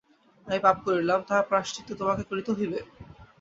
আমি পাপ করিলাম, তাহার প্রায়শ্চিত্ত তোমাকে করিতে হইবে?